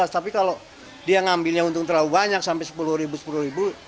tapi kalau dia ngambilnya untung terlalu banyak sampai sepuluh ribu sepuluh ribu